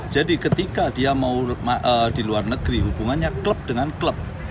ketika dia mau di luar negeri hubungannya klub dengan klub